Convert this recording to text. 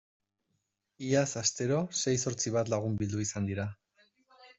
Iaz astero sei zortzi bat lagun bildu izan dira.